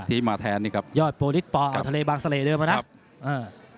ที่มาแทนนี่ครับยอดโพลิสปอกับทะเลบางเสล่เดิมนะครับอ่า